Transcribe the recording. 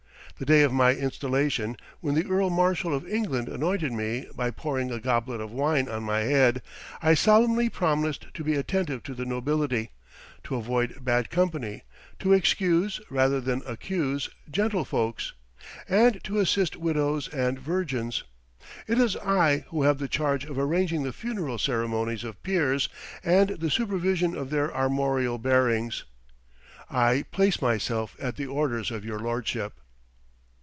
The day of my installation, when the Earl Marshal of England anointed me by pouring a goblet of wine on my head, I solemnly promised to be attentive to the nobility; to avoid bad company; to excuse, rather than accuse, gentlefolks; and to assist widows and virgins. It is I who have the charge of arranging the funeral ceremonies of peers, and the supervision of their armorial bearings. I place myself at the orders of your lordship."